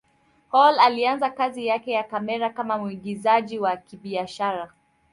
Hall alianza kazi yake ya kamera kama mwigizaji wa kibiashara.